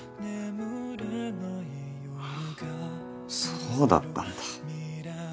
そうだったんだ。